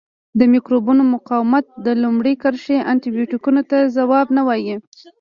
د مکروبونو مقاومت د لومړۍ کرښې انټي بیوټیکو ته ځواب نه وایي.